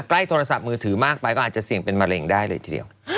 ใกล้โทรศัพท์มือถือมากไปก็อาจจะเสี่ยงเป็นมะเร็งได้เลยทีเดียว